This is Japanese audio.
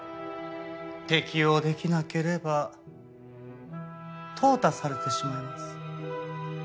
適応できなければ淘汰されてしまいます。